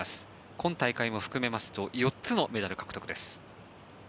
今種目を含めますと４つのメダル獲得です。